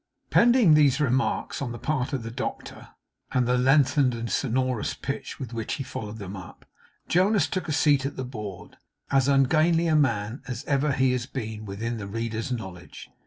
Pending these remarks on the part of the doctor, and the lengthened and sonorous pinch with which he followed them up, Jonas took a seat at the board; as ungainly a man as ever he has been within the reader's knowledge.